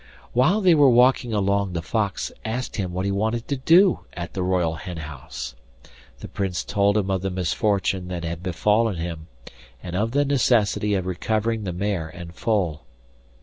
While they were walking along the fox asked him what he wanted to do at the royal hen house. The Prince told him of the misfortune that had befallen him, and of the necessity of recovering the mare and foal.